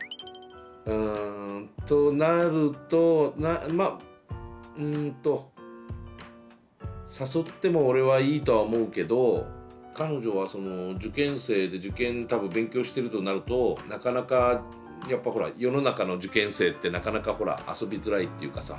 うんとなるとまあうんと誘っても俺はいいとは思うけど彼女はその受験生で受験多分勉強してるとなるとなかなかやっぱほら世の中の受験生ってなかなかほら遊びづらいっていうかさ。